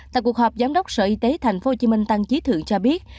tại cuộc họp giám đốc sở y tế thành phố hồ chí minh tăng chí thượng cho biết